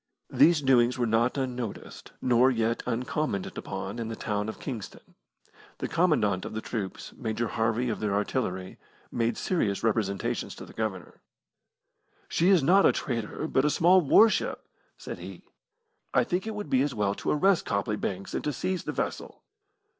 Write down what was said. These doings were not unnoticed, nor yet uncommented upon in the town of Kingston. The Commandant of the troops Major Harvey of the Artillery made serious representations to the Governor. "She is not a trader, but a small warship," said he. "I think it would be as well to arrest Copley Banks and to seize the vessel."